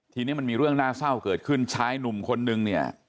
ทีนี้มันมีเรื่องน่าเศร้าเกิดขึ้นชายหนุ่มคนนึงเนี่ย